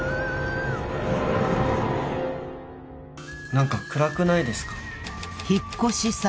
「何か暗くないですか？」